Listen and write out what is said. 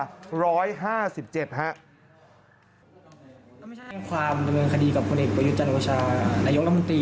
ก็ไม่ใช่แห่งความดำเนินคดีกับผู้เด็กประยุทธ์จันทรวชาระยุกต์รัฐมนตรี